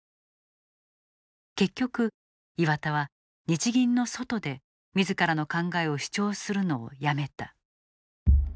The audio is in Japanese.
結局岩田は日銀の外で自らの考えを主張するのをやめた。